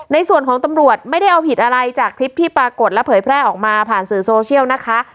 ในส่วนของตำรวจไม่ได้เอาผิดอะไรจากคลิปที่ปรากฏและเผยแพร่ออกมาผ่านสื่อโซเชียลนะคะ